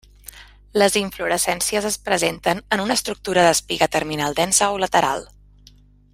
Les inflorescències es presenten en una estructura d'espiga terminal densa o lateral.